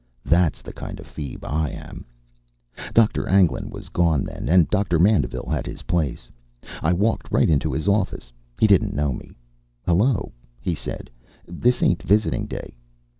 That's the kind of a feeb I am. Doctor Anglin was gone then, and Doctor Mandeville had his place. I walked right into his office. He didn't know me. "Hello," he said, "this ain't visiting day."